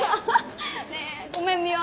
ねえごめんミワ。